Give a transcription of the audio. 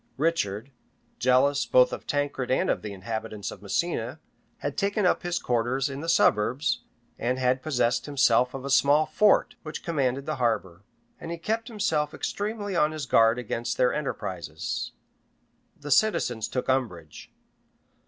Richard, jealous both of Tancred and of the inhabitants of Messina, had taken up his quarters in the suburbs, and had possessed himself of a small fort, which commanded the harbor; and he kept himself extremely on his guard against their enterprises. The citizens took umbrage.